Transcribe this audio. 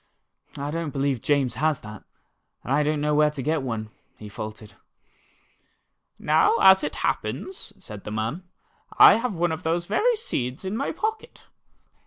I don't believe James has that, and I don't know where to get one," he faltered. "Now, as it happens," said the man, "I have one of those very seeds in my pocket.